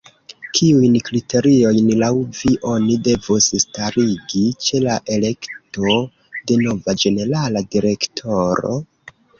Kiujn kriteriojn laŭ vi oni devus starigi ĉe la elekto de nova ĝenerala direktoro?